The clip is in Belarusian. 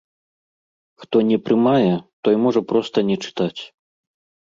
Хто не прымае, той можа проста не чытаць.